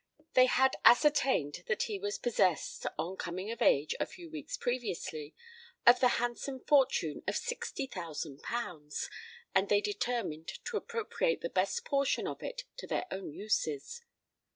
They had ascertained that he was possessed, on coming of age a few weeks previously, of the handsome fortune of sixty thousand pounds; and they determined to appropriate the best portion of it to their own uses.